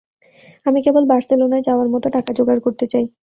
আমি কেবল বার্সেলোনায় যাওয়ার মতো টাকা জোগাড় করতে চাই।